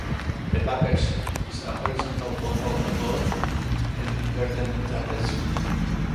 The badge is a horizontal oval above an inverted trapezium.